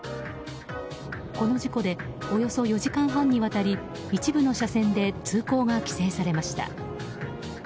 この事故でおよそ４時間半にわたり一部の車線で通行が規制されました。